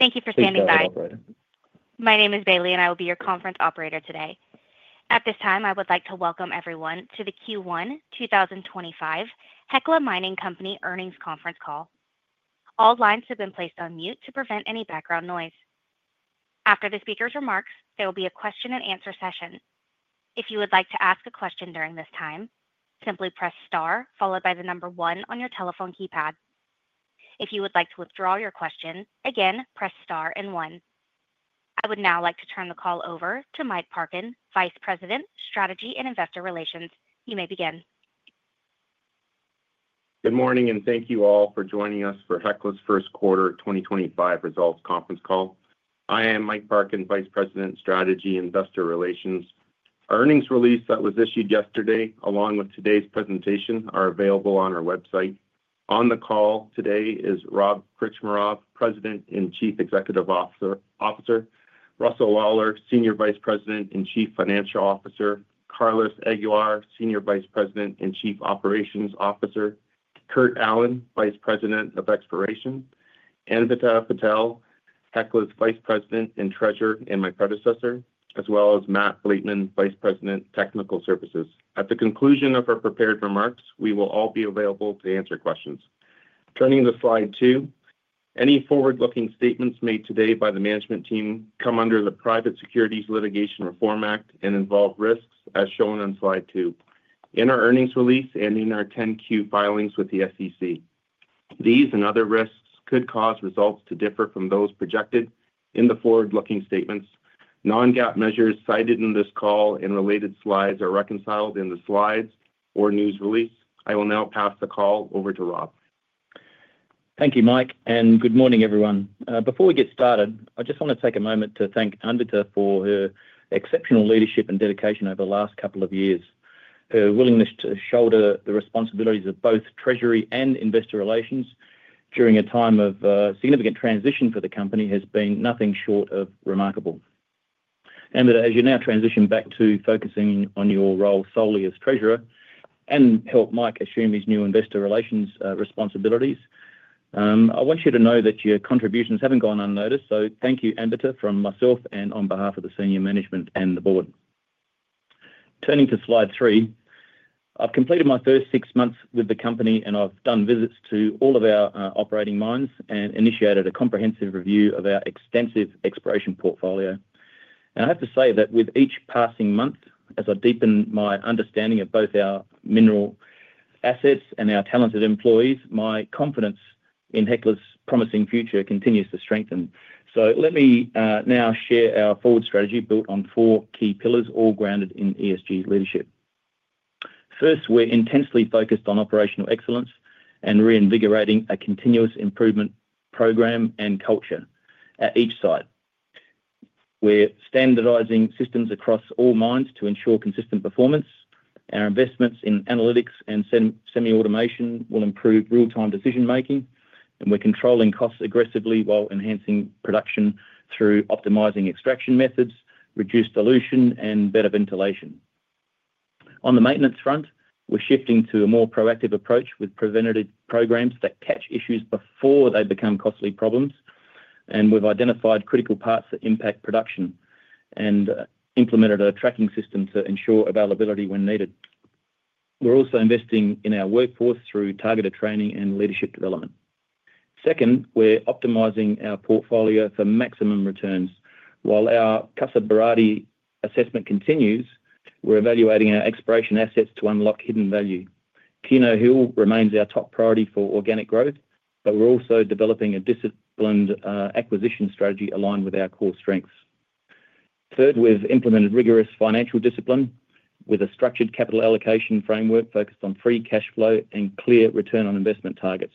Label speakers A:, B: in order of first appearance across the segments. A: Thank you for standing by.
B: Hecla Mining Company Anvita Patil.
A: My name is Bailey, and I will be your conference operator today. At this time, I would like to welcome everyone to the Q1 2025 Hecla Mining Company Earnings Conference Call. All lines have been placed on mute to prevent any background noise. After the speaker's remarks, there will be a question-and-answer session. If you would like to ask a question during this time, simply press star followed by the number one on your telephone keypad. If you would like to withdraw your question, again, press star and one. I would now like to turn the call over to Mike Parkin, Vice President, Strategy and Investor Relations. You may begin.
C: Good morning, and thank you all for joining us for Hecla's first quarter 2025 results conference call. I am Mike Parkin, Vice President, Strategy and Investor Relations. Our earnings release that was issued yesterday, along with today's presentation, is available on our website. On the call today is Rob Krcmarov, President and Chief Executive Officer, Russell Lawlar, Senior Vice President and Chief Financial Officer, Carlos Aguiar, Senior Vice President and Chief Operations Officer, Kurt Allen, Vice President of Exploration, Anvita Patil, Hecla's Vice President and Treasurer and my predecessor, as well as Matt Blattman, Vice President, Technical Services. At the conclusion of our prepared remarks, we will all be available to answer questions. Turning to slide two, any forward-looking statements made today by the management team come under the Private Securities Litigation Reform Act and involve risks as shown on slide two, in our earnings release and in our 10Q filings with the SEC. These and other risks could cause results to differ from those projected in the forward-looking statements. Non-GAAP measures cited in this call and related slides are reconciled in the slides or news release. I will now pass the call over to Rob.
D: Thank you, Mike, and good morning, everyone. Before we get started, I just want to take a moment to thank Anvita for her exceptional leadership and dedication over the last couple of years. Her willingness to shoulder the responsibilities of both Treasury and Investor Relations during a time of significant transition for the company has been nothing short of remarkable. Anvita, as you now transition back to focusing on your role solely as Treasurer and help Mike assume his new Investor Relations responsibilities, I want you to know that your contributions have not gone unnoticed. Thank you, Anvita, from myself and on behalf of the senior management and the board. Turning to slide three, I have completed my first six months with the company, and I have done visits to all of our operating mines and initiated a comprehensive review of our extensive exploration portfolio. I have to say that with each passing month, as I deepen my understanding of both our mineral assets and our talented employees, my confidence in Hecla's promising future continues to strengthen. Let me now share our forward strategy built on four key pillars, all grounded in ESG leadership. First, we're intensely focused on operational excellence and reinvigorating a continuous improvement program and culture at each site. We're standardizing systems across all mines to ensure consistent performance. Our investments in analytics and semi-automation will improve real-time decision-making, and we're controlling costs aggressively while enhancing production through optimizing extraction methods, reduced dilution, and better ventilation. On the maintenance front, we're shifting to a more proactive approach with preventative programs that catch issues before they become costly problems, and we've identified critical parts that impact production and implemented a tracking system to ensure availability when needed. We're also investing in our workforce through targeted training and leadership development. Second, we're optimizing our portfolio for maximum returns. While our Casa Berardi assessment continues, we're evaluating our exploration assets to unlock hidden value. Keno Hill remains our top priority for organic growth, but we're also developing a disciplined acquisition strategy aligned with our core strengths. Third, we've implemented rigorous financial discipline with a structured capital allocation framework focused on free cash flow and clear return on investment targets.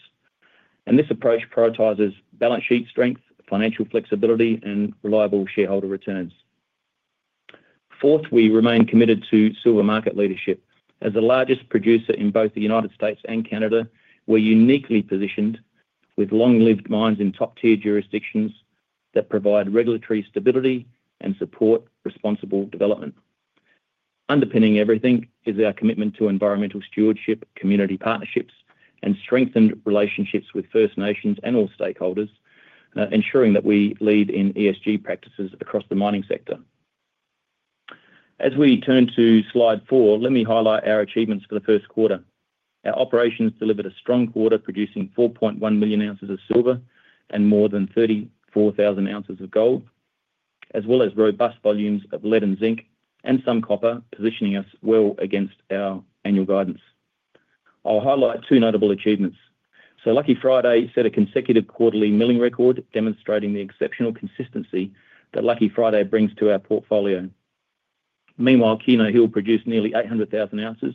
D: This approach prioritizes balance sheet strength, financial flexibility, and reliable shareholder returns. Fourth, we remain committed to silver market leadership. As the largest producer in both the U.S. and Canada, we're uniquely positioned with long-lived mines in top-tier jurisdictions that provide regulatory stability and support responsible development. Underpinning everything is our commitment to environmental stewardship, community partnerships, and strengthened relationships with First Nations and all stakeholders, ensuring that we lead in ESG practices across the mining sector. As we turn to slide four, let me highlight our achievements for the first quarter. Our operations delivered a strong quarter, producing 4.1 million ounces of silver and more than 34,000 ounces of gold, as well as robust volumes of lead and zinc and some copper, positioning us well against our annual guidance. I'll highlight two notable achievements. Lucky Friday set a consecutive quarterly milling record, demonstrating the exceptional consistency that Lucky Friday brings to our portfolio. Meanwhile, Keno Hill produced nearly 800,000 ounces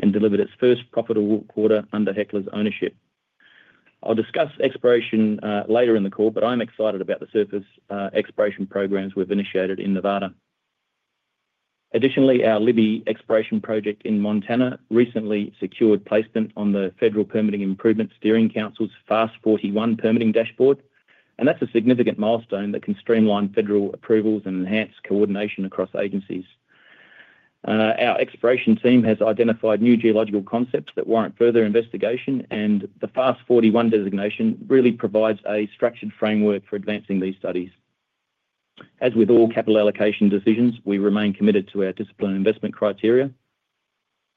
D: and delivered its first profitable quarter under Hecla's ownership. I'll discuss exploration later in the call, but I'm excited about the surface exploration programs we've initiated in Nevada. Additionally, our Libby exploration project in Montana recently secured placement on the Federal Permitting Improvement Steering Council's FAST-41 permitting dashboard, and that's a significant milestone that can streamline federal approvals and enhance coordination across agencies. Our exploration team has identified new geological concepts that warrant further investigation, and the FAST-41 designation really provides a structured framework for advancing these studies. As with all capital allocation decisions, we remain committed to our discipline investment criteria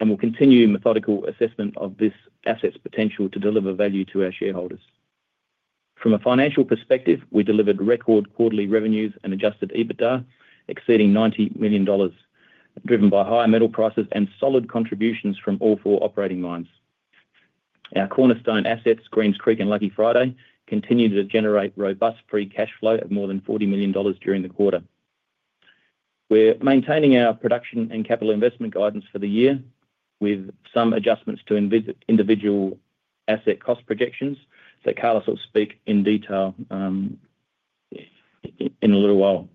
D: and will continue methodical assessment of this asset's potential to deliver value to our shareholders. From a financial perspective, we delivered record quarterly revenues and adjusted EBITDA exceeding $90 million, driven by higher metal prices and solid contributions from all four operating mines. Our cornerstone assets, Greens Creek and Lucky Friday, continue to generate robust free cash flow of more than $40 million during the quarter. We're maintaining our production and capital investment guidance for the year with some adjustments to individual asset cost projections that Carlos will speak in detail in a little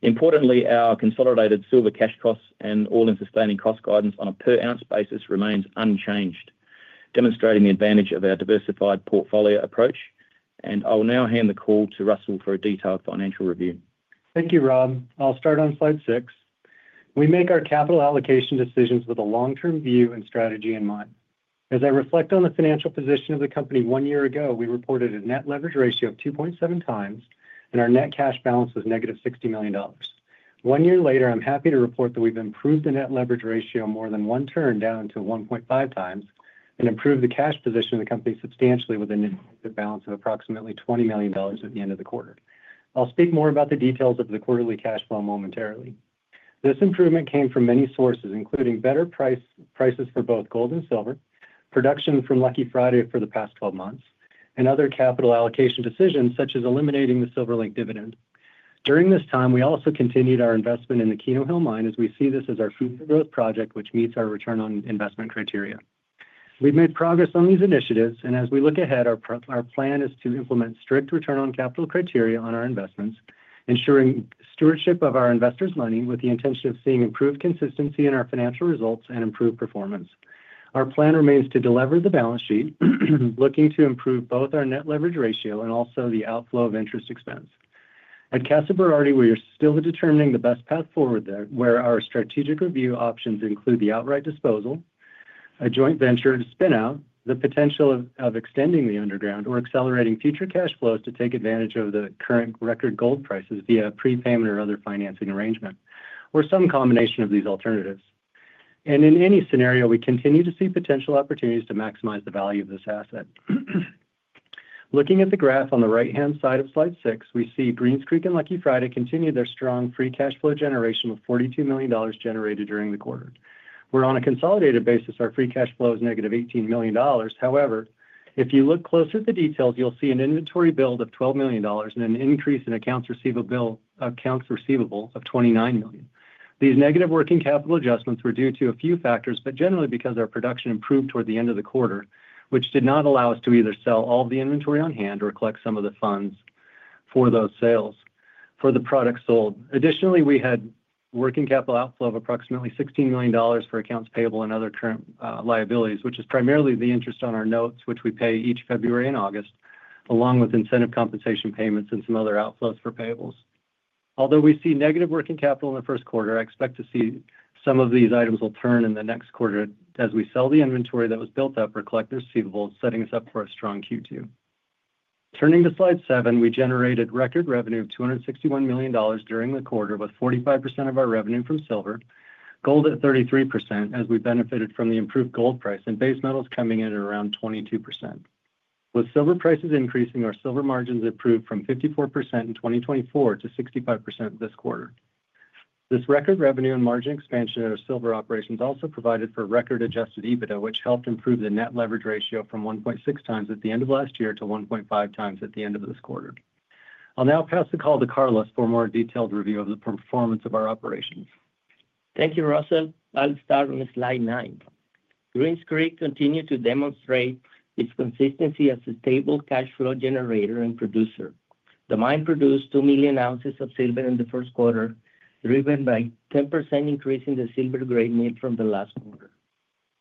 D: while. Importantly, our consolidated silver cash costs and all-in-sustaining cost guidance on a per-ounce basis remains unchanged, demonstrating the advantage of our diversified portfolio approach. I will now hand the call to Russell for a detailed financial review.
E: Thank you, Rob. I'll start on slide six. We make our capital allocation decisions with a long-term view and strategy in mind. As I reflect on the financial position of the company one year ago, we reported a net leverage ratio of 2.7 times, and our net cash balance was negative $60 million. One year later, I'm happy to report that we've improved the net leverage ratio more than one turn, down to 1.5 times, and improved the cash position of the company substantially with a net balance of approximately $20 million at the end of the quarter. I'll speak more about the details of the quarterly cash flow momentarily. This improvement came from many sources, including better prices for both gold and silver, production from Lucky Friday for the past 12 months, and other capital allocation decisions such as eliminating the Silver-linked dividend. During this time, we also continued our investment in the Keno Hill mine as we see this as our future growth project, which meets our return on investment criteria. We've made progress on these initiatives, and as we look ahead, our plan is to implement strict return on capital criteria on our investments, ensuring stewardship of our investors' money with the intention of seeing improved consistency in our financial results and improved performance. Our plan remains to deliver the balance sheet, looking to improve both our net leverage ratio and also the outflow of interest expense. At Casa Berardi, we are still determining the best path forward there, where our strategic review options include the outright disposal, a joint venture to spin out, the potential of extending the underground, or accelerating future cash flows to take advantage of the current record gold prices via prepayment or other financing arrangement, or some combination of these alternatives. In any scenario, we continue to see potential opportunities to maximize the value of this asset. Looking at the graph on the right-hand side of slide six, we see Greens Creek and Lucky Friday continue their strong free cash flow generation of $42 million generated during the quarter. On a consolidated basis, our free cash flow is negative $18 million. However, if you look closer at the details, you'll see an inventory build of $12 million and an increase in accounts receivable of $29 million. These negative working capital adjustments were due to a few factors, but generally because our production improved toward the end of the quarter, which did not allow us to either sell all of the inventory on hand or collect some of the funds for those sales for the products sold. Additionally, we had working capital outflow of approximately $16 million for accounts payable and other current liabilities, which is primarily the interest on our notes, which we pay each February and August, along with incentive compensation payments and some other outflows for payables. Although we see negative working capital in the first quarter, I expect to see some of these items will turn in the next quarter as we sell the inventory that was built up or collect the receivables, setting us up for a strong Q2. Turning to slide seven, we generated record revenue of $261 million during the quarter, with 45% of our revenue from silver, gold at 33% as we benefited from the improved gold price, and base metals coming in at around 22%. With silver prices increasing, our silver margins improved from 54% in 2024 to 65% this quarter. This record revenue and margin expansion at our silver operations also provided for record-adjusted EBITDA, which helped improve the net leverage ratio from 1.6 times at the end of last year to 1.5 times at the end of this quarter. I'll now pass the call to Carlos for a more detailed review of the performance of our operations.
F: Thank you, Russell. I'll start with slide nine. Greens Creek continued to demonstrate its consistency as a stable cash flow generator and producer. The mine produced 2 million ounces of silver in the first quarter, driven by a 10% increase in the silver grade mill from the last quarter.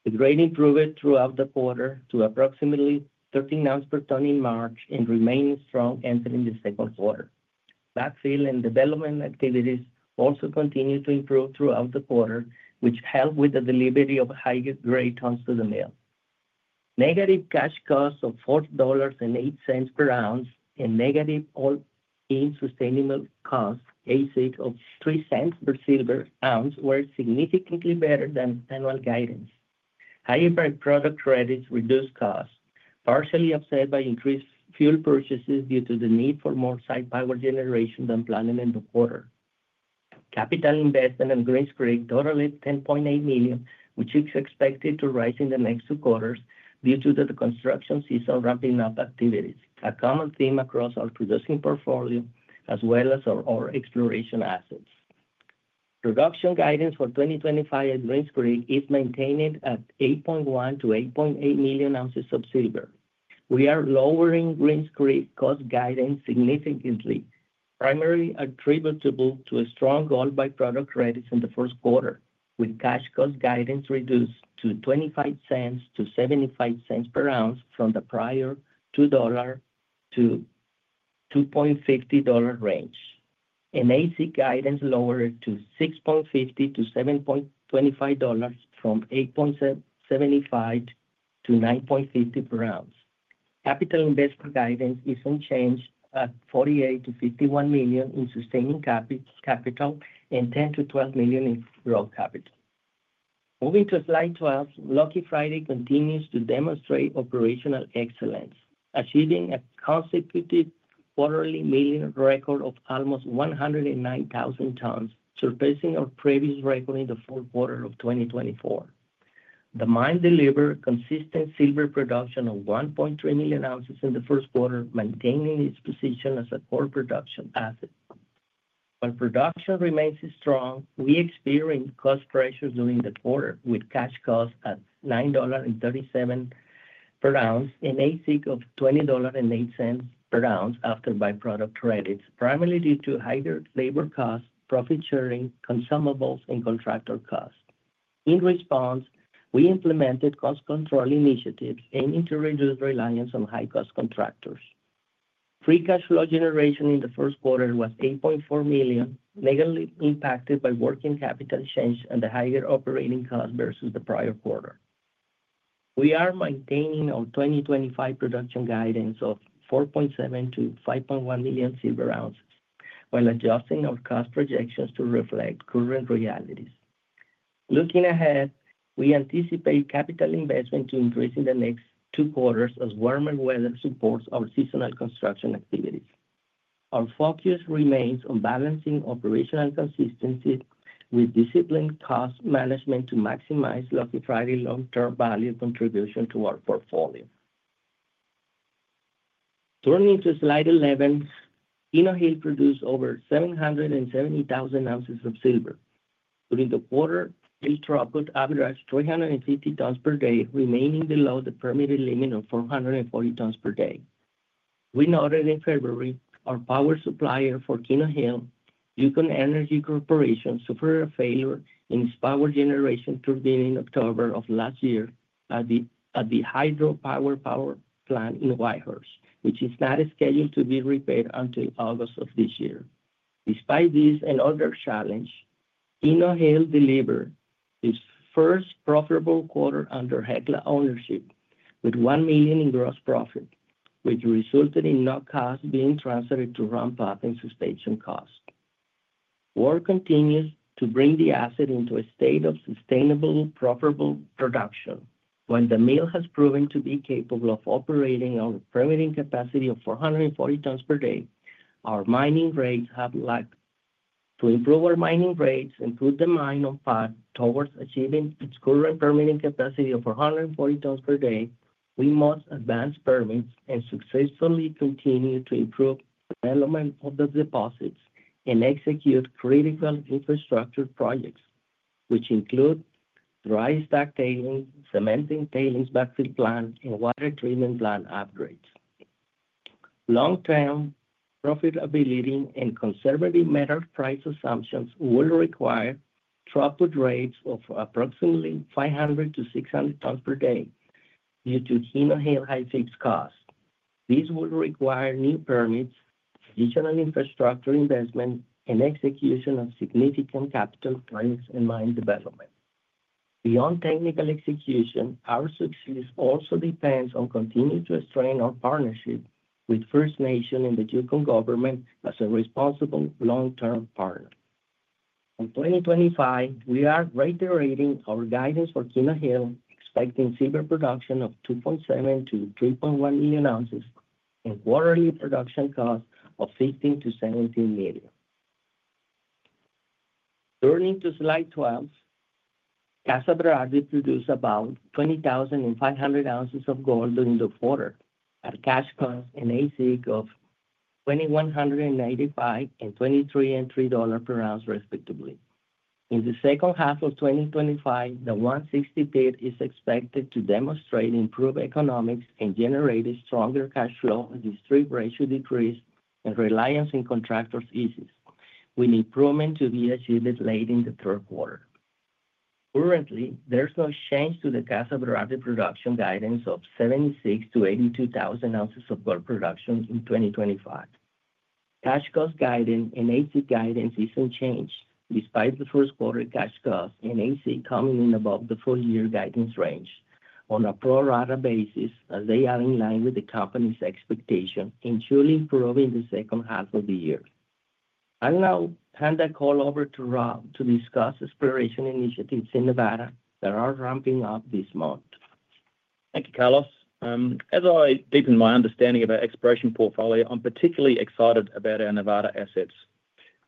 F: The grade improved throughout the quarter to approximately 13 ounces per ton in March and remained strong entering the second quarter. Backfill and development activities also continued to improve throughout the quarter, which helped with the delivery of higher-grade tons to the mill. Negative cash costs of $4.08 per ounce and negative all-in sustaining costs, AISC, of $0.03 per silver ounce, were significantly better than annual guidance. Higher by-product credits reduced costs, partially offset by increased fuel purchases due to the need for more site power generation than planned in the quarter. Capital investment in Greens Creek totaled $10.8 million, which is expected to rise in the next two quarters due to the construction season wrapping up activities, a common theme across our producing portfolio as well as our exploration assets. Production guidance for 2025 at Greens Creek is maintained at 8.1-8.8 million ounces of silver. We are lowering Greens Creek cost guidance significantly, primarily attributable to strong gold byproduct credits in the first quarter, with cash cost guidance reduced to $0.25-$0.75 per ounce from the prior $2-$2.50 range, and AISC guidance lowered to $6.50-$7.25 from $8.75-$9.50 per ounce. Capital investment guidance is unchanged at $48-$51 million in sustaining capital and $10-$12 million in growth capital. Moving to slide 12, Lucky Friday continues to demonstrate operational excellence, achieving a consecutive quarterly milling record of almost 109,000 tons, surpassing our previous record in the fourth quarter of 2024. The mine delivered consistent silver production of 1.3 million ounces in the first quarter, maintaining its position as a core production asset. While production remains strong, we experienced cost pressures during the quarter with cash costs at $9.37 per ounce and AISC of $20.08 per ounce after byproduct credits, primarily due to higher labor costs, profit sharing, consumables, and contractor costs. In response, we implemented cost control initiatives aiming to reduce reliance on high-cost contractors. Free cash flow generation in the first quarter was $8.4 million, negatively impacted by working capital change and the higher operating costs versus the prior quarter. We are maintaining our 2025 production guidance of 4.7-5.1 million silver ounces while adjusting our cost projections to reflect current realities. Looking ahead, we anticipate capital investment to increase in the next two quarters as warmer weather supports our seasonal construction activities. Our focus remains on balancing operational consistency with disciplined cost management to maximize Lucky Friday's long-term value contribution to our portfolio. Turning to slide 11, Keno Hill produced over 770,000 ounces of silver. During the quarter, mill throughput averaged 350 tons per day, remaining below the permitted limit of 440 tons per day. We noted in February our power supplier for Keno Hill, Yukon Energy Corporation, suffered a failure in its power generation through the end of October of last year at the hydropower plant in Whitehorse, which is not scheduled to be repaired until August of this year. Despite these and other challenges, Keno Hill delivered its first profitable quarter under Hecla ownership with $1 million in gross profit, which resulted in no costs being transferred to ramp-down and suspension costs. Work continues to bring the asset into a state of sustainable profitable production. When the mill has proven to be capable of operating on a permitted capacity of 440 tons per day, our mining rates have lagged. To improve our mining rates and put the mine on path towards achieving its current permitted capacity of 440 tons per day, we must advance permits and successfully continue to improve development of the deposits and execute critical infrastructure projects, which include dry stack tailings, cemented tailings backfill plant, and water treatment plant upgrades. Long-term profitability and conservative metal price assumptions will require throughput rates of approximately 500-600 tons per day due to Keno Hill Hecla's costs. These will require new permits, additional infrastructure investment, and execution of significant capital plans and mine development. Beyond technical execution, our success also depends on continuing to strengthen our partnership with First Nation and the Yukon government as a responsible long-term partner. In 2025, we are reiterating our guidance for Keno Hill, expecting silver production of 2.7-3.1 million ounces and quarterly production costs of $15-17 million. Turning to slide 12, Casa Berardi produced about 20,500 ounces of gold during the quarter at cash costs and AISC of $2,185 and $2,303 per ounce, respectively. In the second half of 2025, the 160 Pit is expected to demonstrate improved economics and generate a stronger cash flow as the strip ratio decreased and reliance on contractors eases, with improvement to be achieved late in the third quarter. Currently, there's no change to the Casa Berardi production guidance of 76,000-82,000 ounces of gold production in 2025. Cash cost guidance and AISC guidance is unchanged despite the first quarter cash costs and AISC coming in above the full-year guidance range on a pro-rata basis as they are in line with the company's expectations and truly improving the second half of the year. I'll now hand the call over to Rob to discuss exploration initiatives in Nevada that are ramping up this month.
D: Thank you, Carlos. As I deepen my understanding of our exploration portfolio, I'm particularly excited about our Nevada assets.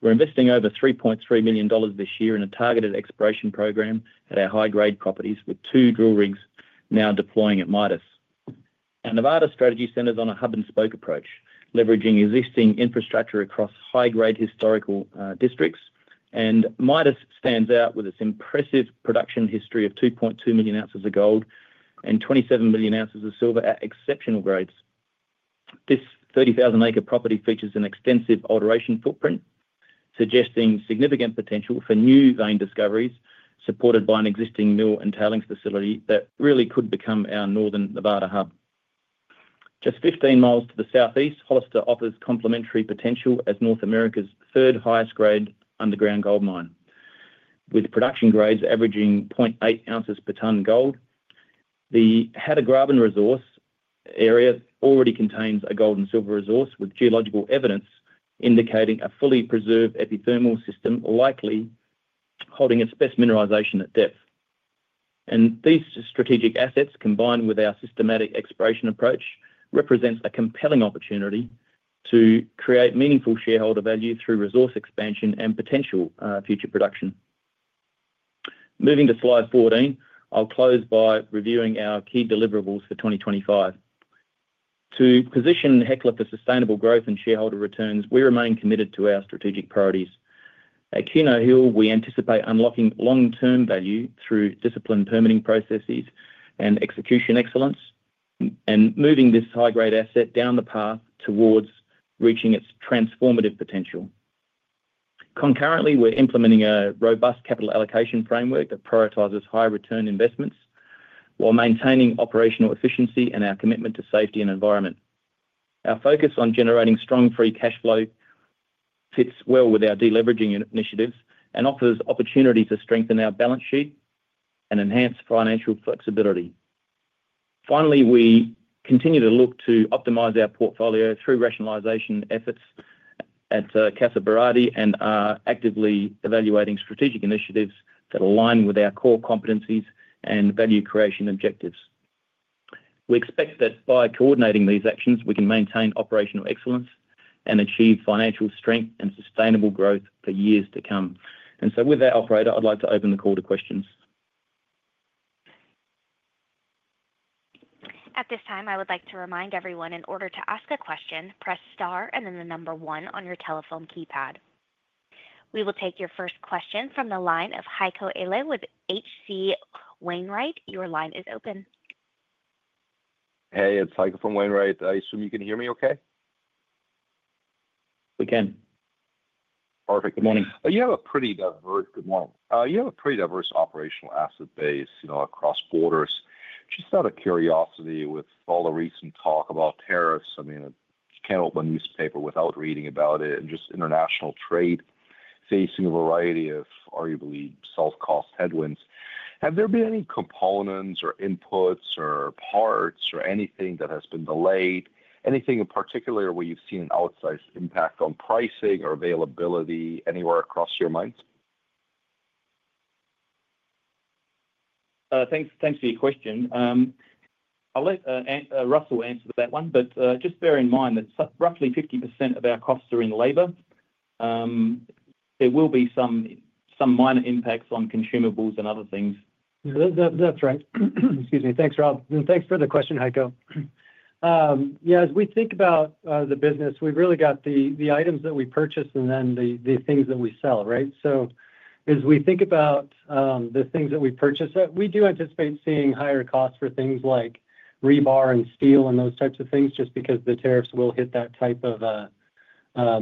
D: We're investing over $3.3 million this year in a targeted exploration program at our high-grade properties with two drill rigs now deploying at Midas. Our Nevada strategy centers on a hub-and-spoke approach, leveraging existing infrastructure across high-grade historical districts. Midas stands out with its impressive production history of 2.2 million ounces of gold and 27 million ounces of silver at exceptional grades. This 30,000-acre property features an extensive alteration footprint, suggesting significant potential for new vein discoveries supported by an existing mill and tailings facility that really could become our northern Nevada hub. Just 15 miles to the southeast, Hollister offers complementary potential as North America's third highest-grade underground gold mine, with production grades averaging 0.8 ounces per ton gold. The Hatter Graben area already contains a gold and silver resource with geological evidence indicating a fully preserved epithermal system likely holding a mieralization at depth. These strategic assets, combined with our systematic exploration approach, represent a compelling opportunity to create meaningful shareholder value through resource expansion and potential future production. Moving to slide 14, I'll close by reviewing our key deliverables for 2025. To position Hecla for sustainable growth and shareholder returns, we remain committed to our strategic priorities. At Keno Hill, we anticipate unlocking long-term value through disciplined permitting processes and execution excellence and moving this high-grade asset down the path towards reaching its transformative potential. Concurrently, we're implementing a robust capital allocation framework that prioritizes high-return investments while maintaining operational efficiency and our commitment to safety and environment. Our focus on generating strong free cash flow fits well with our deleveraging initiatives and offers opportunities to strengthen our balance sheet and enhance financial flexibility. Finally, we continue to look to optimize our portfolio through rationalization efforts at Casa Berardi and are actively evaluating strategic initiatives that align with our core competencies and value creation objectives. We expect that by coordinating these actions, we can maintain operational excellence and achieve financial strength and sustainable growth for years to come. With that, operator, I'd like to open the call to questions.
A: At this time, I would like to remind everyone in order to ask a question, press star and then the number one on your telephone keypad. We will take your first question from the line of Heiko Ihle with HC Wainwright. Your line is open.
G: Hey, it's Heiko from HC Wainwright. I assume you can hear me okay?
D: We can.
G: Perfect. Good morning. You have a pretty diverse operational asset base across borders. Just out of curiosity, with all the recent talk about tariffs, I mean, you can't open a newspaper without reading about it and just international trade facing a variety of arguably self-cost headwinds. Have there been any components or inputs or parts or anything that has been delayed? Anything in particular where you've seen an outsized impact on pricing or availability anywhere across your mines?
D: Thanks for your question. I'll let Russell answer that one, but just bear in mind that roughly 50% of our costs are in labor. There will be some minor impacts on consumables and other things.
E: That's right. Excuse me. Thanks, Rob. Thanks for the question, Heiko. Yeah, as we think about the business, we've really got the items that we purchase and then the things that we sell, right? As we think about the things that we purchase, we do anticipate seeing higher costs for things like rebar and steel and those types of things just because the tariffs will hit that type of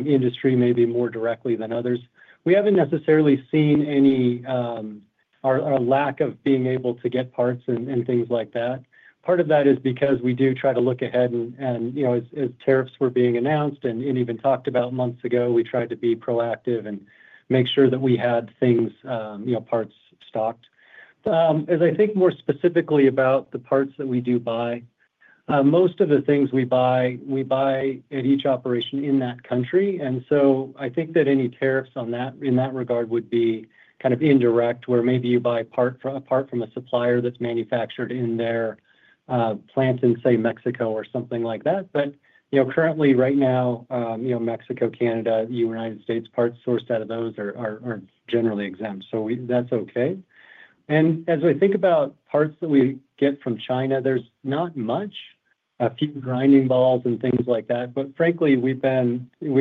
E: industry maybe more directly than others. We haven't necessarily seen any or a lack of being able to get parts and things like that. Part of that is because we do try to look ahead and as tariffs were being announced and even talked about months ago, we tried to be proactive and make sure that we had things, parts stocked. As I think more specifically about the parts that we do buy, most of the things we buy, we buy at each operation in that country. I think that any tariffs on that in that regard would be kind of indirect where maybe you buy part from a supplier that's manufactured in their plant in, say, Mexico or something like that. Currently, right now, Mexico, Canada, the United States, parts sourced out of those are generally exempt. That's okay. As we think about parts that we get from China, there's not much, a few grinding balls and things like that. Frankly, we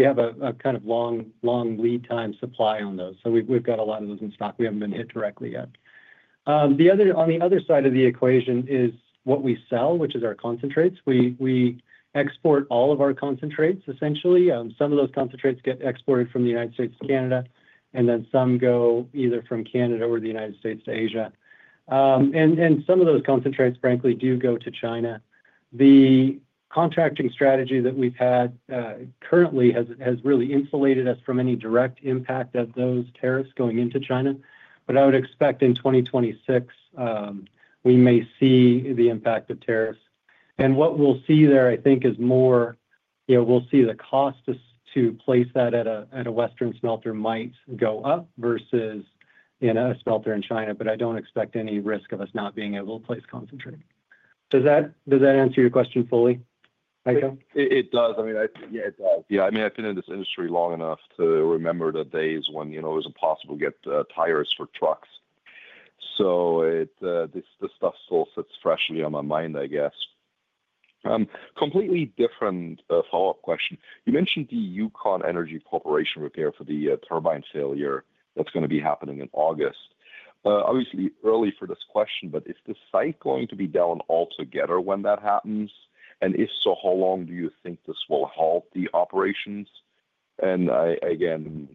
E: have a kind of long lead time supply on those. We've got a lot of those in stock. We haven't been hit directly yet. On the other side of the equation is what we sell, which is our concentrates. We export all of our concentrates, essentially. Some of those concentrates get exported from the U.S. to Canada, and then some go either from Canada or the U.S. to Asia. Some of those concentrates, frankly, do go to China. The contracting strategy that we've had currently has really insulated us from any direct impact of those tariffs going into China. I would expect in 2026, we may see the impact of tariffs. What we'll see there, I think, is more we'll see the cost to place that at a Western smelter might go up versus a smelter in China, but I don't expect any risk of us not being able to place concentrate. Does that answer your question fully, Heiko?
G: It does. I mean, yeah, it does. Yeah. I mean, I've been in this industry long enough to remember the days when it was impossible to get tires for trucks. So this stuff still sits freshly on my mind, I guess. Completely different follow-up question. You mentioned the Yukon Energy Corporation repair for the turbine failure that's going to be happening in August. Obviously, early for this question, but is the site going to be down altogether when that happens? If so, how long do you think this will halt the operations? Again,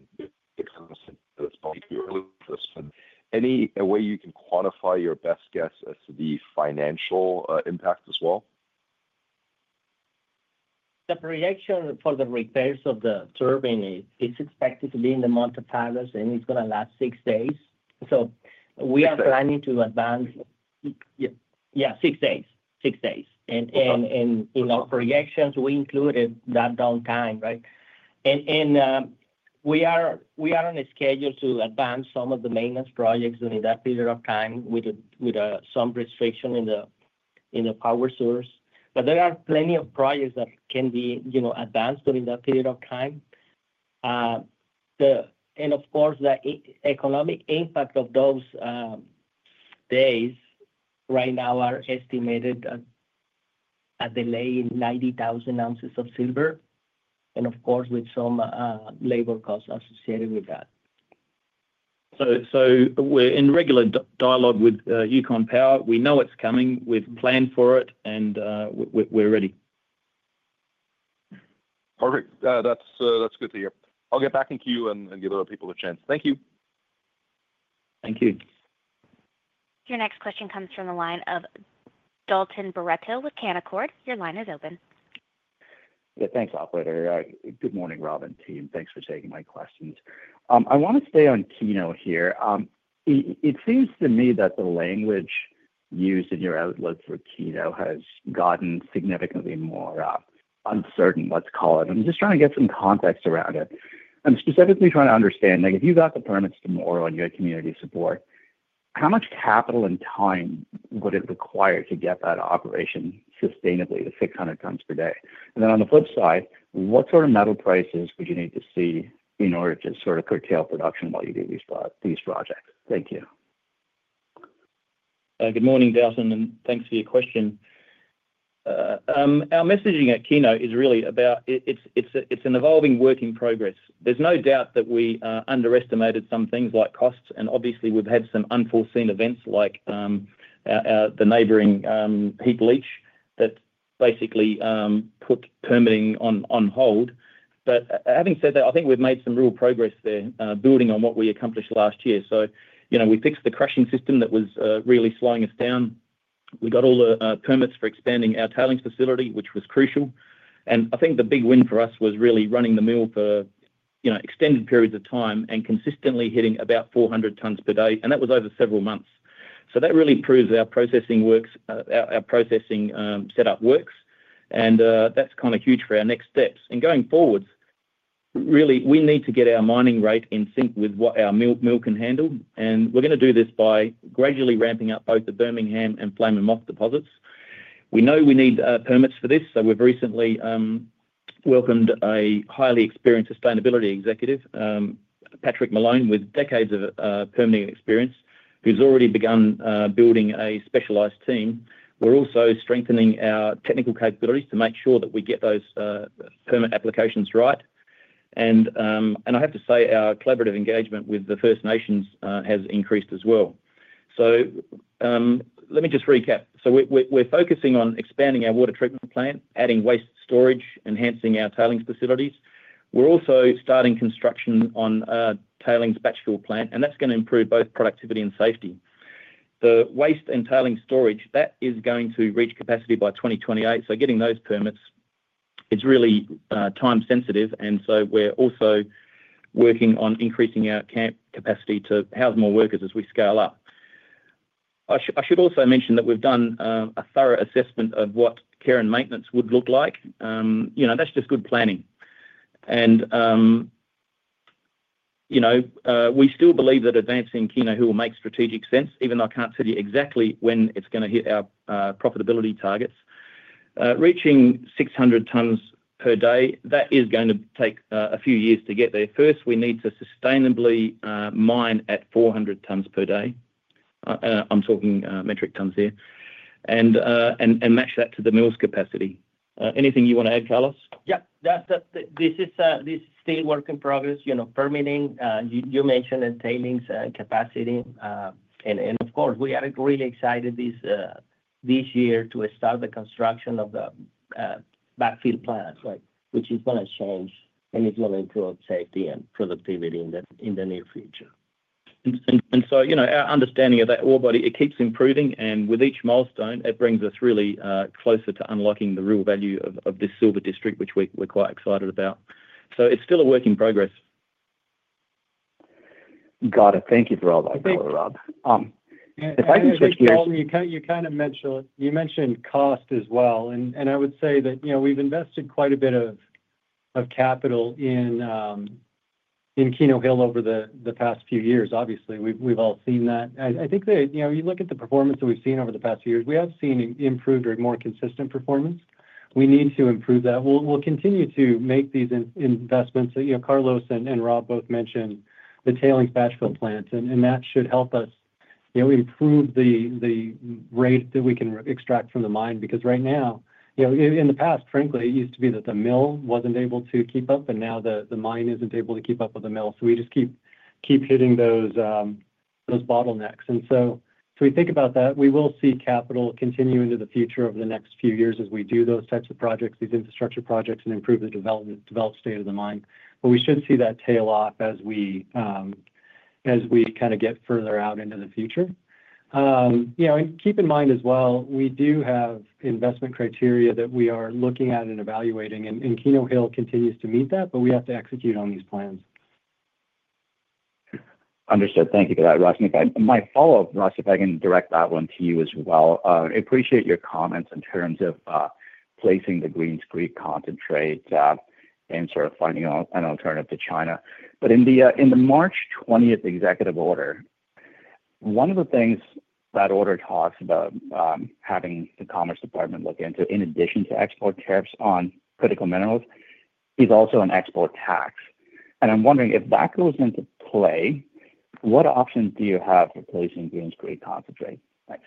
G: it's probably too early for this. Any way you can quantify your best guess as to the financial impact as well?
F: The projection for the repairs of the turbine is expected to be in the month of August, and it's going to last six days. We are planning to advance—yeah, six days. Six days. In our projections, we included that downtime, right? We are on a schedule to advance some of the maintenance projects during that period of time with some restriction in the power source. There are plenty of projects that can be advanced during that period of time. Of course, the economic impact of those days right now are estimated at a delay in 90,000 ounces of silver, and of course, with some labor costs associated with that.
D: We're in regular dialogue with Yukon Energy Corporation. We know it's coming. We've planned for it, and we're ready.
G: Perfect. That's good to hear. I'll get back to you and give other people a chance. Thank you.
D: Thank you.
A: Your next question comes from the line of Dalton Baretto with Canaccord. Your line is open.
H: Yeah, thanks, operator. Good morning, Rob and team. Thanks for taking my questions. I want to stay on Keno here. It seems to me that the language used in your outlook for Keno has gotten significantly more uncertain, let's call it. I'm just trying to get some context around it. I'm specifically trying to understand, if you've got the permits tomorrow and you have community support, how much capital and time would it require to get that operation sustainably to 600 tons per day? On the flip side, what sort of metal prices would you need to see in order to sort of curtail production while you do these projects? Thank you.
D: Good morning, Dalton, and thanks for your question. Our messaging at Keno is really about it's an evolving work in progress. There's no doubt that we underestimated some things like costs. Obviously, we've had some unforeseen events like the neighboring heap leach that basically put permitting on hold. Having said that, I think we've made some real progress there, building on what we accomplished last year. We fixed the crushing system that was really slowing us down. We got all the permits for expanding our tailings facility, which was crucial. I think the big win for us was really running the mill for extended periods of time and consistently hitting about 400 tons per day. That was over several months. That really proves our processing setup works. That's kind of huge for our next steps. Going forwards, really, we need to get our mining rate in sync with what our mill can handle. We are going to do this by gradually ramping up both the Birmingham and Flame and Moth deposits. We know we need permits for this. We have recently welcomed a highly experienced sustainability executive, Patrick Malone, with decades of permitting experience, who has already begun building a specialized team. We are also strengthening our technical capabilities to make sure that we get those permit applications right. I have to say our collaborative engagement with the First Nations has increased as well. Let me just recap. We are focusing on expanding our water treatment plant, adding waste storage, enhancing our tailings facilities. We are also starting construction on a tailings backfill plant, and that is going to improve both productivity and safety. The waste and tailings storage, that is going to reach capacity by 2028. Getting those permits is really time-sensitive. We are also working on increasing our camp capacity to house more workers as we scale up. I should also mention that we've done a thorough assessment of what care and maintenance would look like. That's just good planning. We still believe that advancing Keno Hill will make strategic sense, even though I can't tell you exactly when it's going to hit our profitability targets. Reaching 600 tons per day, that is going to take a few years to get there. First, we need to sustainably mine at 400 tons per day. I'm talking metric tons here. Match that to the mill's capacity. Anything you want to add, Carlos?
F: Yeah. This is still work in progress. Permitting, you mentioned the tailings capacity. Of course, we are really excited this year to start the construction of the backfill plant, which is going to change and is going to improve safety and productivity in the near future.
D: Our understanding of that ore body keeps improving. With each milestone, it brings us really closer to unlocking the real value of this silver district, which we are quite excited about. It is still a work in progress.
H: Got it. Thank you for all that, Rob. If I can switch gears.
E: You kind of mentioned cost as well. I would say that we've invested quite a bit of capital in Keno Hill over the past few years. Obviously, we've all seen that. I think that you look at the performance that we've seen over the past few years, we have seen improved or more consistent performance. We need to improve that. We'll continue to make these investments. Carlos and Rob both mentioned the tailings backfill plant. That should help us improve the rate that we can extract from the mine because right now, in the past, frankly, it used to be that the mill wasn't able to keep up, and now the mine isn't able to keep up with the mill. We just keep hitting those bottlenecks. If we think about that, we will see capital continue into the future over the next few years as we do those types of projects, these infrastructure projects, and improve the developed state of the mine. We should see that tail off as we kind of get further out into the future. Keep in mind as well, we do have investment criteria that we are looking at and evaluating. Keno Hill continues to meet that, but we have to execute on these plans.
H: Understood. Thank you for that, Russ. My follow-up, Russ, if I can direct that one to you as well. I appreciate your comments in terms of placing the Greens Creek concentrate and sort of finding an alternative to China. In the March 20th executive order, one of the things that order talks about having the Commerce Department look into in addition to export tariffs on critical minerals is also an export tax. I am wondering if that goes into play, what options do you have for placing Greens Creek concentrate? Thanks.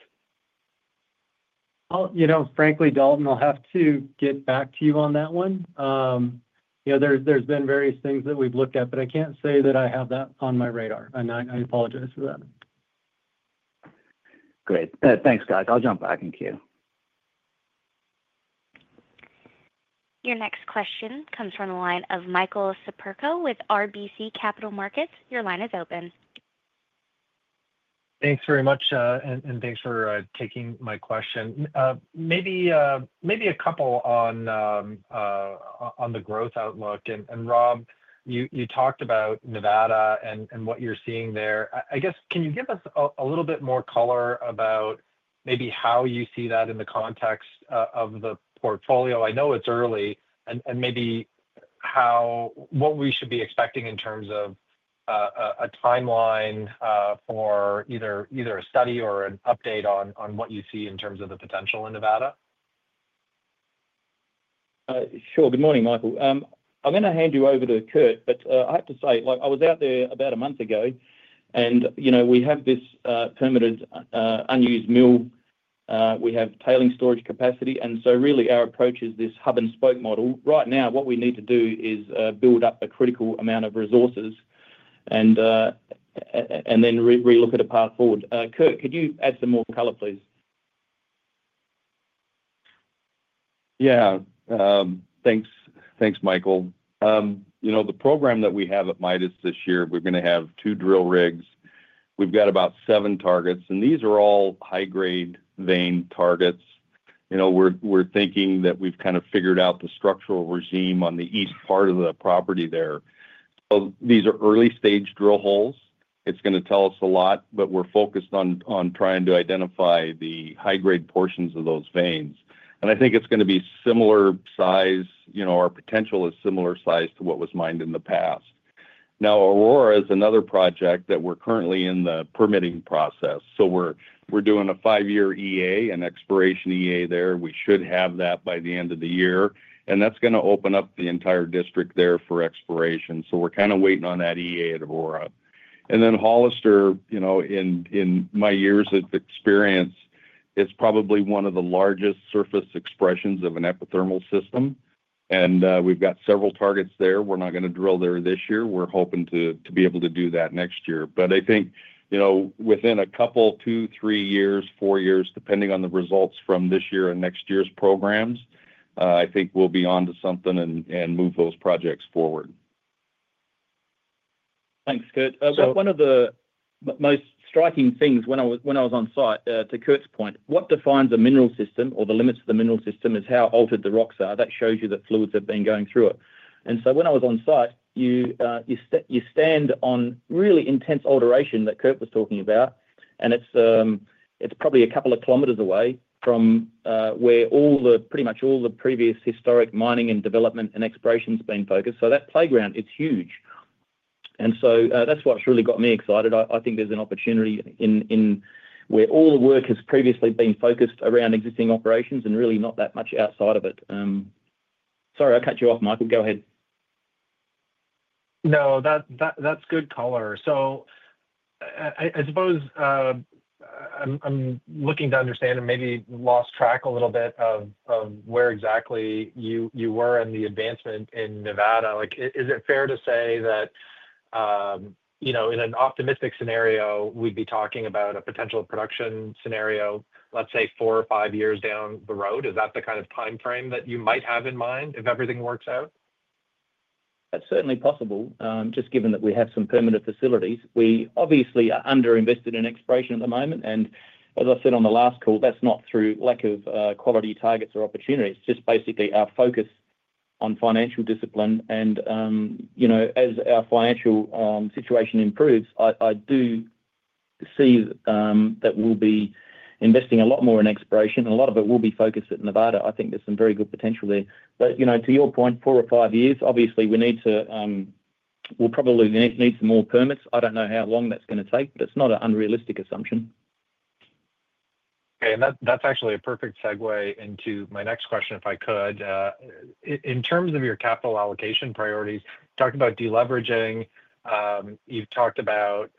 E: Frankly, Dalton, I'll have to get back to you on that one. There's been various things that we've looked at, but I can't say that I have that on my radar. I apologize for that.
H: Great. Thanks, guys. I'll jump back in queue.
A: Your next question comes from the line of Michael Siperco with RBC Capital Markets. Your line is open.
I: Thanks very much. Thanks for taking my question. Maybe a couple on the growth outlook. Rob, you talked about Nevada and what you are seeing there. I guess, can you give us a little bit more color about maybe how you see that in the context of the portfolio? I know it is early. Maybe what we should be expecting in terms of a timeline for either a study or an update on what you see in terms of the potential in Nevada?
J: Sure. Good morning, Michael. I'm going to hand you over to Kurt, but I have to say, I was out there about a month ago, and we have this permitted unused mill. We have tailings storage capacity. Our approach is this hub and spoke model. Right now, what we need to do is build up a critical amount of resources and then relook at a path forward. Kurt, could you add some more color, please?
G: Yeah. Thanks, Michael. The program that we have at Midas this year, we're going to have two drill rigs. We've got about seven targets. These are all high-grade vein targets. We're thinking that we've kind of figured out the structural regime on the east part of the property there. These are early-stage drill holes. It's going to tell us a lot, but we're focused on trying to identify the high-grade portions of those veins. I think it's going to be similar size. Our potential is similar size to what was mined in the past. Now, Aurora is another project that we're currently in the permitting process. We're doing a five-year EA, an exploration EA there. We should have that by the end of the year. That's going to open up the entire district there for exploration. We're kind of waiting on that EA at Aurora. Hollister, in my years of experience, is probably one of the largest surface expressions of an epithermal system. We've got several targets there. We're not going to drill there this year. We're hoping to be able to do that next year. I think within a couple, two, three years, four years, depending on the results from this year and next year's programs, I think we'll be on to something and move those projects forward.
D: Thanks, Kurt. One of the most striking things when I was on site, to Kurt's point, what defines a mineral system or the limits of the mineral system is how altered the rocks are. That shows you that fluids have been going through it. When I was on site, you stand on really intense alteration that Kurt was talking about. It is probably a couple of kilometers away from where pretty much all the previous historic mining and development and exploration has been focused. That playground is huge. That is what has really got me excited. I think there is an opportunity where all the work has previously been focused around existing operations and really not that much outside of it. Sorry, I cut you off, Michael. Go ahead.
K: No, that's good color. I suppose I'm looking to understand and maybe lost track a little bit of where exactly you were in the advancement in Nevada. Is it fair to say that in an optimistic scenario, we'd be talking about a potential production scenario, let's say, four or five years down the road? Is that the kind of time frame that you might have in mind if everything works out?
D: That's certainly possible. Just given that we have some permanent facilities, we obviously are underinvested in exploration at the moment. As I said on the last call, that's not through lack of quality targets or opportunities. It's just basically our focus on financial discipline. As our financial situation improves, I do see that we'll be investing a lot more in exploration. A lot of it will be focused at Nevada. I think there's some very good potential there. To your point, four or five years, obviously, we'll probably need some more permits. I don't know how long that's going to take, but it's not an unrealistic assumption.
I: Okay. That is actually a perfect segue into my next question, if I could. In terms of your capital allocation priorities, talking about deleveraging, you have talked about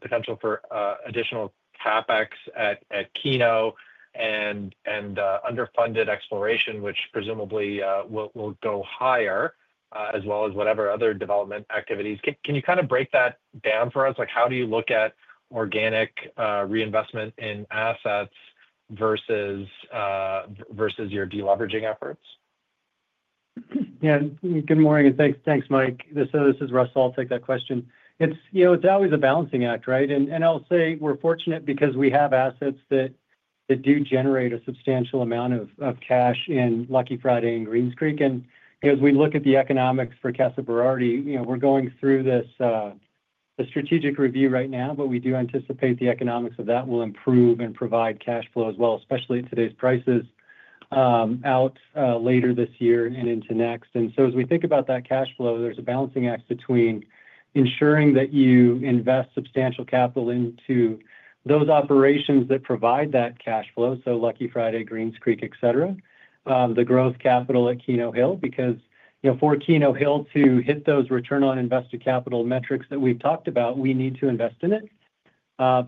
I: potential for additional CapEx at Keno and underfunded exploration, which presumably will go higher, as well as whatever other development activities. Can you kind of break that down for us? How do you look at organic reinvestment in assets versus your deleveraging efforts?
E: Yeah. Good morning. Thanks, Mike. This is Russell. I'll take that question. It's always a balancing act, right? I'll say we're fortunate because we have assets that do generate a substantial amount of cash in Lucky Friday and Greens Creek. As we look at the economics for Casa Berardi, we're going through the strategic review right now, but we do anticipate the economics of that will improve and provide cash flow as well, especially at today's prices out later this year and into next. As we think about that cash flow, there's a balancing act between ensuring that you invest substantial capital into those operations that provide that cash flow, so Lucky Friday, Greens Creek, etc., the growth capital at Keno Hill, because for Keno Hill to hit those return on invested capital metrics that we've talked about, we need to invest in it.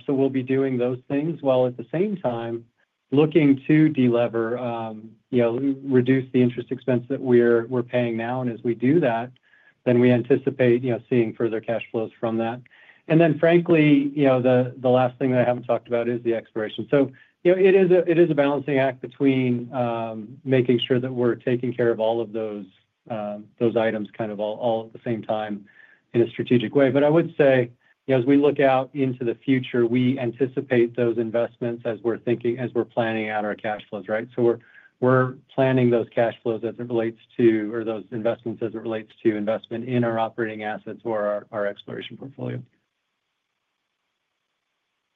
E: We'll be doing those things while at the same time looking to delever, reduce the interest expense that we're paying now. As we do that, we anticipate seeing further cash flows from that. Frankly, the last thing that I haven't talked about is the exploration. It is a balancing act between making sure that we're taking care of all of those items kind of all at the same time in a strategic way. I would say as we look out into the future, we anticipate those investments as we're planning out our cash flows, right? We're planning those cash flows as it relates to or those investments as it relates to investment in our operating assets or our exploration portfolio.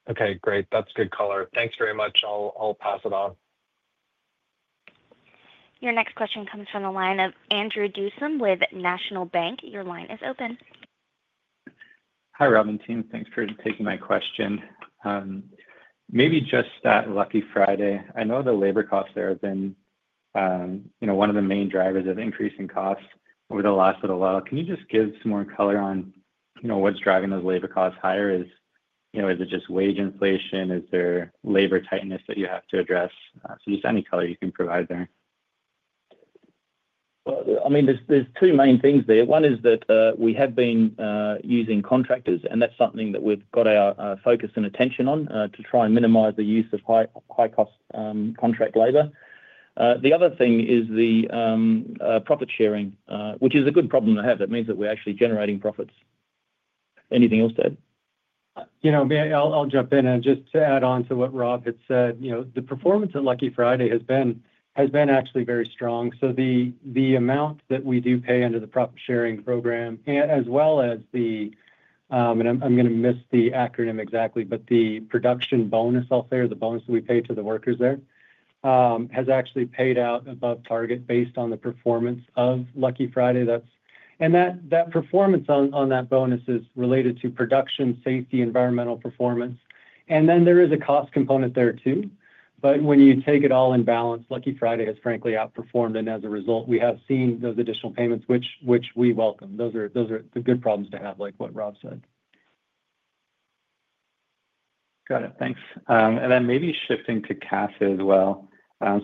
H: Okay. Great. That's good color. Thanks very much. I'll pass it on.
A: Your next question comes from the line of Andrew Dusome with National Bank. Your line is open.
L: Hi, Rob. Thanks for taking my question. Maybe just at Lucky Friday. I know the labor costs there have been one of the main drivers of increasing costs over the last little while. Can you just give some more color on what's driving those labor costs higher? Is it just wage inflation? Is there labor tightness that you have to address? Any color you can provide there.
D: There are two main things there. One is that we have been using contractors, and that's something that we've got our focus and attention on to try and minimize the use of high-cost contract labor. The other thing is the profit sharing, which is a good problem to have. That means that we're actually generating profits. Anything else to add?
E: I'll jump in. Just to add on to what Rob had said, the performance at Lucky Friday has been actually very strong. The amount that we do pay under the profit sharing program, as well as the—and I'm going to miss the acronym exactly—but the production bonus out there, the bonus that we pay to the workers there, has actually paid out above target based on the performance of Lucky Friday. That performance on that bonus is related to production, safety, environmental performance. There is a cost component there too. When you take it all in balance, Lucky Friday has, frankly, outperformed. As a result, we have seen those additional payments, which we welcome. Those are the good problems to have, like what Rob said.
L: Got it. Thanks. Maybe shifting to Casa as well.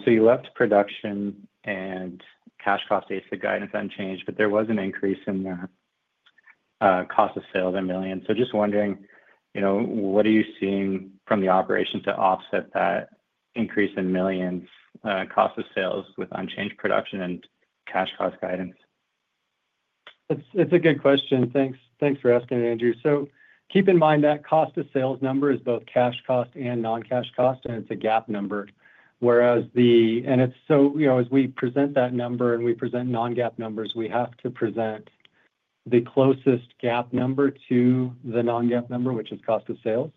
L: You left production and cash cost AISC guidance unchanged, but there was an increase in the cost of sales in millions. Just wondering, what are you seeing from the operations to offset that increase in millions, cost of sales with unchanged production and cash cost guidance?
E: It's a good question. Thanks for asking it, Andrew. Keep in mind that cost of sales number is both cash cost and non-cash cost, and it's a GAAP number. As we present that number and we present non-GAAP numbers, we have to present the closest GAAP number to the non-GAAP number, which is cost of sales.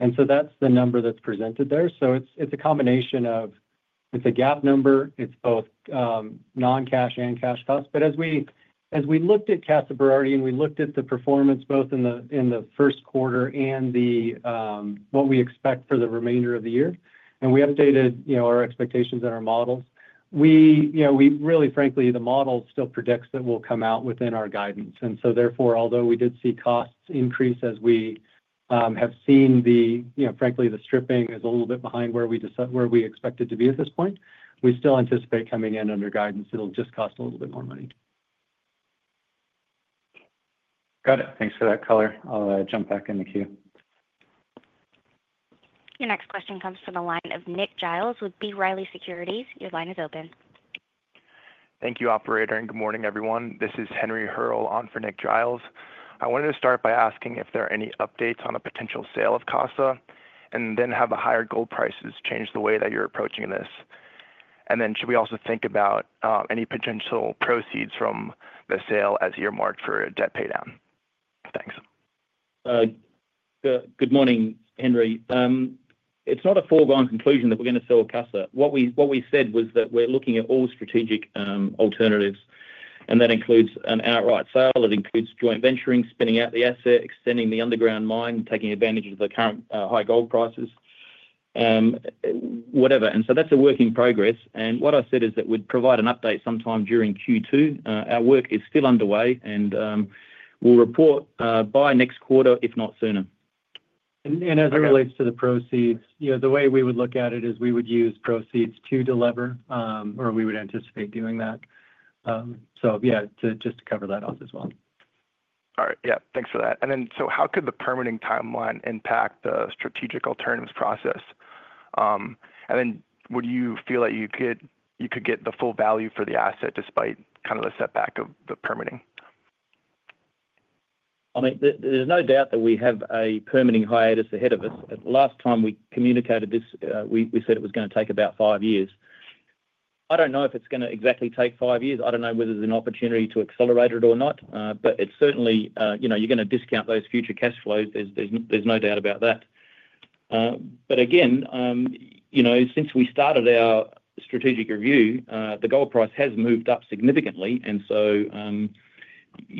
E: That's the number that's presented there. It's a combination of it's a GAAP number. It's both non-cash and cash cost. As we looked at Casa Berardi and we looked at the performance both in the first quarter and what we expect for the remainder of the year, and we updated our expectations and our models, we really, frankly, the model still predicts that we'll come out within our guidance. Therefore, although we did see costs increase as we have seen, frankly, the stripping is a little bit behind where we expected to be at this point. We still anticipate coming in under guidance. It'll just cost a little bit more money.
L: Got it. Thanks for that color. I'll jump back in the queue.
A: Your next question comes from the line of Nick Giles with B. Riley Securities. Your line is open.
M: Thank you, Operator. Good morning, everyone. This is Henry Hearle on for Nick Giles. I wanted to start by asking if there are any updates on a potential sale of Casa, and then have the higher gold prices changed the way that you're approaching this. Should we also think about any potential proceeds from the sale as earmarked for a debt paydown? Thanks.
F: Good morning, Henry. It's not a foregone conclusion that we're going to sell Casa Berardi. What we said was that we're looking at all strategic alternatives. That includes an outright sale. It includes joint venturing, spinning out the asset, extending the underground mine, taking advantage of the current high gold prices, whatever. That is a work in progress. What I said is that we'd provide an update sometime during Q2. Our work is still underway, and we'll report by next quarter, if not sooner.
E: As it relates to the proceeds, the way we would look at it is we would use proceeds to deliver, or we would anticipate doing that. Yeah, just to cover that off as well.
M: All right. Yeah. Thanks for that. How could the permitting timeline impact the strategic alternatives process? Would you feel that you could get the full value for the asset despite kind of the setback of the permitting?
F: I mean, there's no doubt that we have a permitting hiatus ahead of us. Last time we communicated this, we said it was going to take about five years. I don't know if it's going to exactly take five years. I don't know whether there's an opportunity to accelerate it or not. It is certainly you're going to discount those future cash flows. There's no doubt about that. Again, since we started our strategic review, the gold price has moved up significantly. We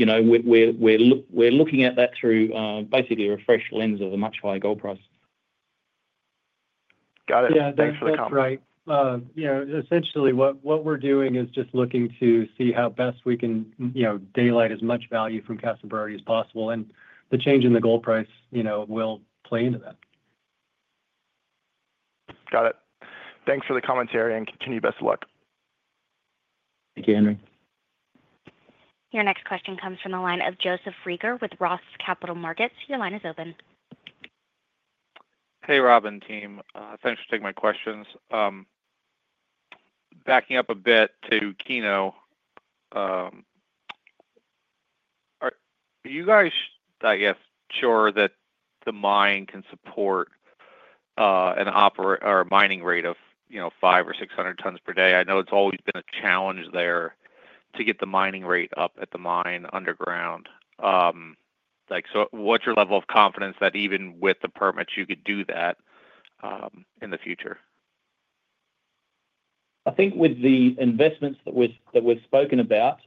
F: are looking at that through basically a fresh lens of a much higher gold price.
M: Got it. Thanks for the comment.
E: Yeah. That's right. Essentially, what we're doing is just looking to see how best we can daylight as much value from Casa Berardi as possible. The change in the gold price will play into that.
M: Got it. Thanks for the commentary and continue best of luck.
F: Thank you, Henry.
A: Your next question comes from the line of Joseph Reagor with Roth Capital Markets. Your line is open.
N: Hey, Rob and team. Thanks for taking my questions. Backing up a bit to Keno, are you guys, I guess, sure that the mine can support a mining rate of 500 or 600 tons per day? I know it's always been a challenge there to get the mining rate up at the mine underground. What is your level of confidence that even with the permits, you could do that in the future?
D: I think with the investments that we've spoken about,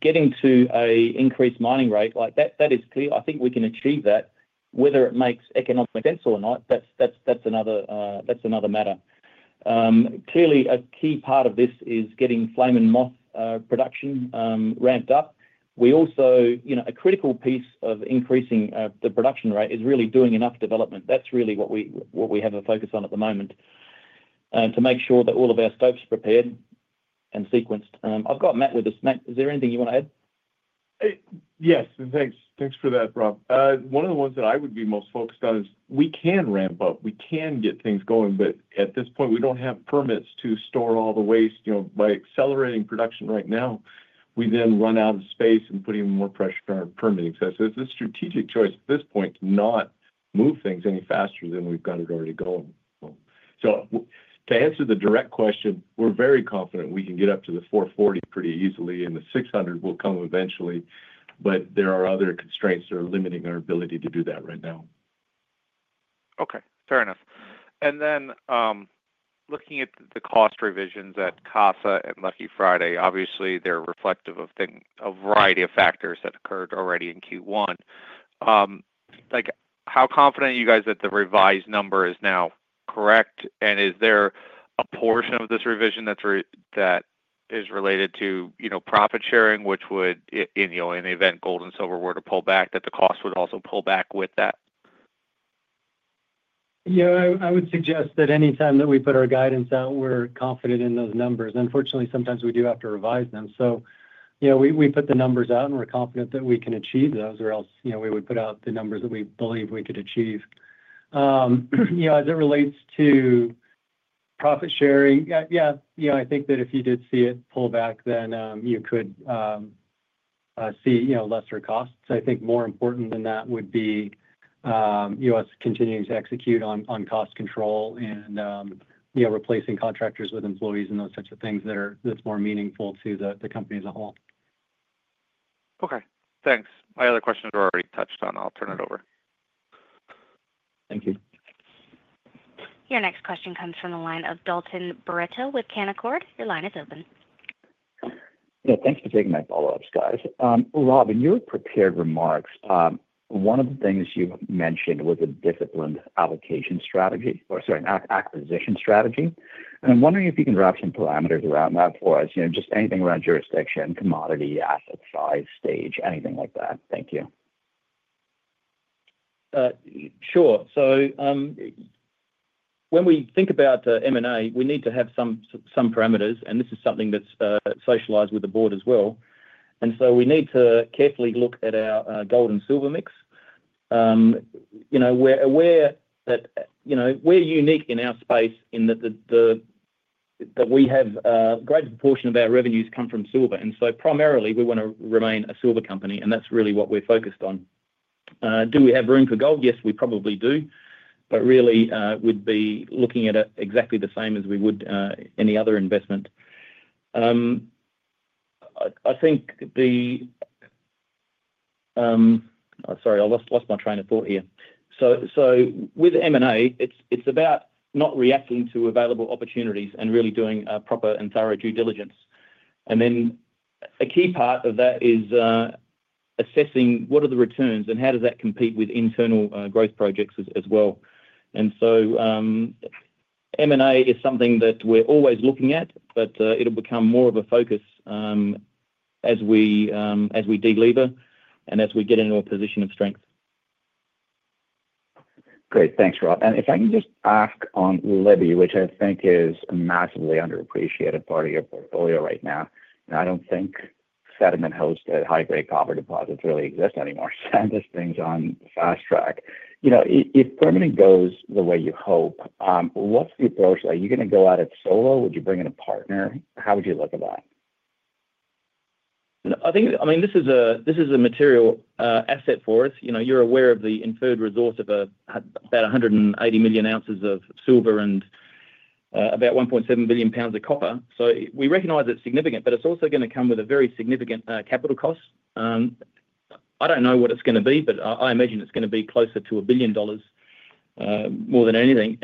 D: getting to an increased mining rate, that is clear. I think we can achieve that, whether it makes economic sense or not. That's another matter. Clearly, a key part of this is getting Flame and Moth production ramped up. A critical piece of increasing the production rate is really doing enough development. That's really what we have a focus on at the moment to make sure that all of our stopes are prepared and sequenced. I've got Matt with us. Matt, is there anything you want to add?
B: Yes. Thanks for that, Rob. One of the ones that I would be most focused on is we can ramp up. We can get things going, but at this point, we do not have permits to store all the waste. By accelerating production right now, we then run out of space and put even more pressure on our permittings. It is a strategic choice at this point to not move things any faster than we have it already going. To answer the direct question, we are very confident we can get up to the 440 pretty easily, and the 600 will come eventually. There are other constraints that are limiting our ability to do that right now.
N: Okay. Fair enough. Looking at the cost revisions at Casa and Lucky Friday, obviously, they're reflective of a variety of factors that occurred already in Q1. How confident are you guys that the revised number is now correct? Is there a portion of this revision that is related to profit sharing, which would, in the event gold and silver were to pull back, that the cost would also pull back with that?
E: Yeah. I would suggest that anytime that we put our guidance out, we're confident in those numbers. Unfortunately, sometimes we do have to revise them. We put the numbers out, and we're confident that we can achieve those, or else we would put out the numbers that we believe we could achieve. As it relates to profit sharing, yeah, I think that if you did see it pull back, then you could see lesser costs. I think more important than that would be us continuing to execute on cost control and replacing contractors with employees and those types of things that's more meaningful to the company as a whole.
N: Okay. Thanks. My other questions were already touched on. I'll turn it over.
F: Thank you.
A: Your next question comes from the line of Dalton Baretto with Canaccord. Your line is open.
H: Thanks for taking my follow-ups, guys. Rob, your prepared remarks, one of the things you mentioned was a disciplined allocation strategy or, sorry, an acquisition strategy. I am wondering if you can wrap some parameters around that for us, just anything around jurisdiction, commodity, asset size, stage, anything like that. Thank you.
D: Sure. When we think about M&A, we need to have some parameters. This is something that's socialized with the board as well. We need to carefully look at our gold and silver mix. We're aware that we're unique in our space in that we have a greater proportion of our revenues come from silver. Primarily, we want to remain a silver company, and that's really what we're focused on. Do we have room for gold? Yes, we probably do. Really, we'd be looking at it exactly the same as we would any other investment. I think—sorry, I lost my train of thought here. With M&A, it's about not reacting to available opportunities and really doing proper and thorough due diligence. A key part of that is assessing what are the returns and how does that compete with internal growth projects as well. M&A is something that we're always looking at, but it'll become more of a focus as we deliver and as we get into a position of strength.
N: Great. Thanks, Rob. If I can just ask on Libby, which I think is a massively underappreciated part of your portfolio right now, and I do not think Revett-hosted high-grade copper deposits really exist anymore, so I will just bring this on fast track. If permitting goes the way you hope, what is the approach? Are you going to go at it solo? Would you bring in a partner? How would you look at that?
D: I mean, this is a material asset for us. You're aware of the inferred resource of about 180 million ounces of silver and about 1.7 billion pounds of copper. We recognize it's significant, but it's also going to come with a very significant capital cost. I don't know what it's going to be, but I imagine it's going to be closer to $1 billion more than anything.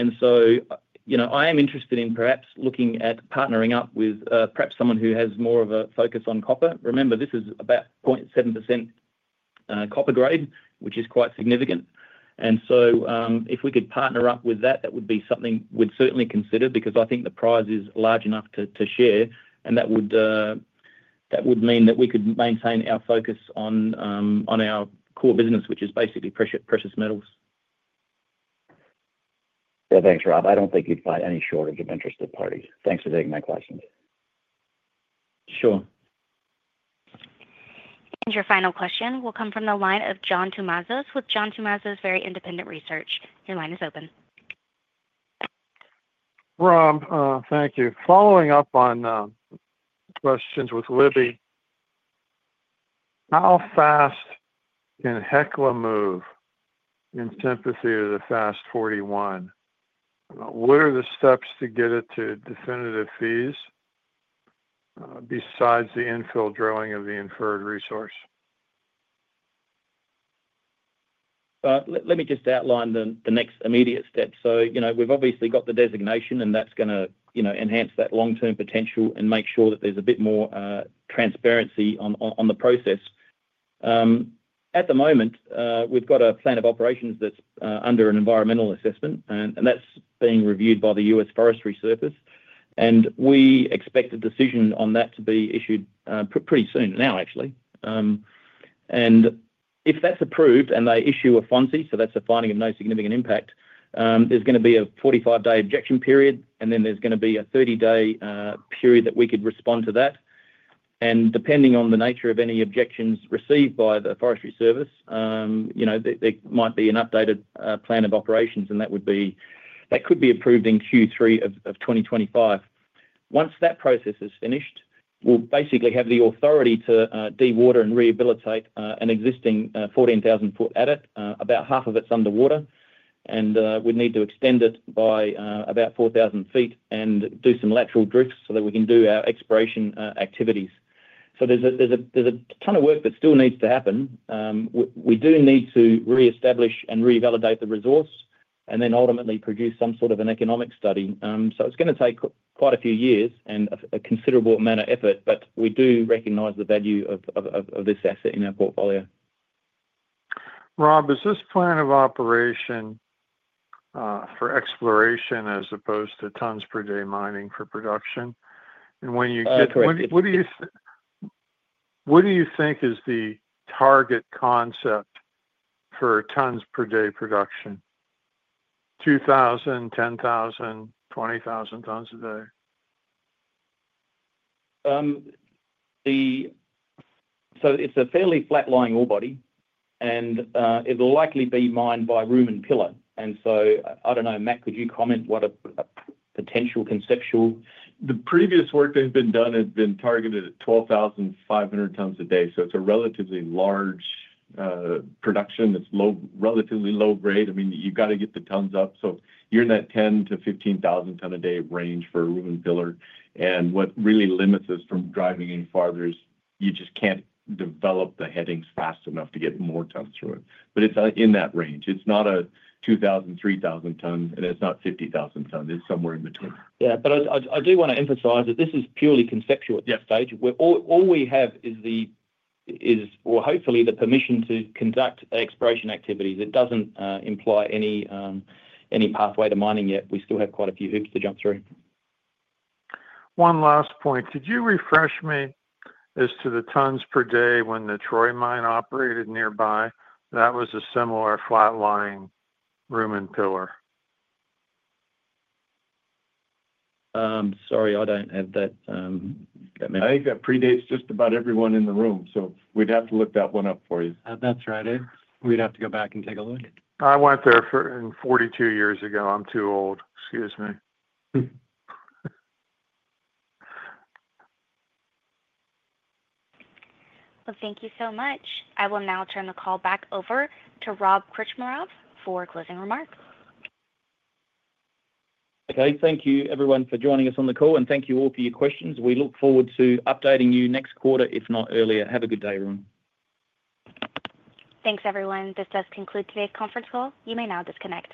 D: I am interested in perhaps looking at partnering up with perhaps someone who has more of a focus on copper. Remember, this is about 0.7% copper grade, which is quite significant. If we could partner up with that, that would be something we'd certainly consider because I think the prize is large enough to share. That would mean that we could maintain our focus on our core business, which is basically precious metals.
N: Yeah. Thanks, Rob. I don't think you'd find any shortage of interested parties. Thanks for taking my questions.
D: Sure.
A: Your final question will come from the line of John Tumazos with John Tumazos Very Independent Research. Your line is open.
O: Rob, thank you. Following up on questions with Libby, how fast can Hecla move in synthesis of the FAST-41? What are the steps to get it to definitive fees besides the infill drilling of the inferred resource?
D: Let me just outline the next immediate step. We've obviously got the designation, and that's going to enhance that long-term potential and make sure that there's a bit more transparency on the process. At the moment, we've got a plan of operations that's under an environmental assessment, and that's being reviewed by the U.S. Forest Service. We expect a decision on that to be issued pretty soon, now actually. If that's approved and they issue a FONSI, so that's a finding of no significant impact, there's going to be a 45-day objection period, and then there's going to be a 30-day period that we could respond to that. Depending on the nature of any objections received by the Forest Service, there might be an updated plan of operations, and that could be approved in Q3 of 2025. Once that process is finished, we'll basically have the authority to dewater and rehabilitate an existing 14,000-foot adit. About half of it's underwater, and we'd need to extend it by about 4,000 feet and do some lateral drifts so that we can do our exploration activities. There is a ton of work that still needs to happen. We do need to reestablish and revalidate the resource and then ultimately produce some sort of an economic study. It is going to take quite a few years and a considerable amount of effort, but we do recognize the value of this asset in our portfolio.
O: Rob, is this plan of operation for exploration as opposed to tons per day mining for production? When you get—what do you think is the target concept for tons per day production? 2,000, 10,000, 20,000 tons a day?
F: It's a fairly flat-lying ore body, and it'll likely be mined by room and pillar. I don't know, Matt, could you comment what a potential conceptual—
B: The previous work that had been done had been targeted at 12,500 tons a day. It's a relatively large production that's relatively low grade. I mean, you've got to get the tons up. You're in that 10,000-15,000 ton a day range for a room and pillar. What really limits us from driving any farther is you just can't develop the headings fast enough to get more tons through it. It's in that range. It's not a 2,000, 3,000 tons, and it's not 50,000 tons. It's somewhere in between.
F: Yeah. I do want to emphasize that this is purely conceptual at this stage. All we have is, or hopefully, the permission to conduct exploration activities. It does not imply any pathway to mining yet. We still have quite a few hoops to jump through.
E: One last point. Could you refresh me as to the tons per day when the Troy Mine operated nearby? That was a similar flat-lying room and pillar.
F: Sorry, I don't have that.
B: I think that predates just about everyone in the room. We would have to look that one up for you.
F: That's right. We'd have to go back and take a look.
E: I went there 42 years ago. I'm too old. Excuse me.
A: Thank you so much. I will now turn the call back over to Rob Krcmarov for closing remarks.
D: Okay. Thank you, everyone, for joining us on the call, and thank you all for your questions. We look forward to updating you next quarter, if not earlier. Have a good day, everyone.
A: Thanks, everyone. This does conclude today's conference call. You may now disconnect.